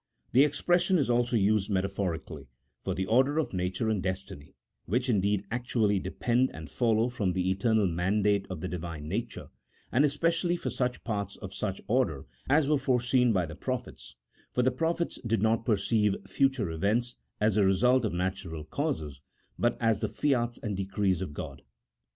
The expression is also used metaphorically for the order of nature and destiny (which, indeed, actually depend and follow from the eternal mandate of the Divine nature), and especially for such parts of such order as were foreseen by the prophets, for the prophets did not perceive future events as the result of natural causes, but as the fiats and decrees of God.